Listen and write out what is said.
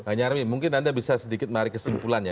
pak nyarmi mungkin anda bisa sedikit mari kesimpulannya